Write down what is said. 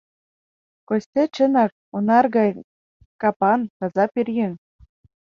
Костя чынак онар гай капан, таза пӧръеҥ.